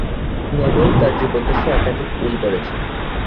Nobel তার জীবদ্দশায় একাধিক উইল করেছেন।